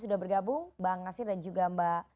sudah bergabung bang nasir dan juga mbak